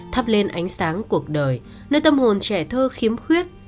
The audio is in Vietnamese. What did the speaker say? thắp lên ánh sáng cuộc đời nơi tâm hồn trẻ thơ khiếm khuyết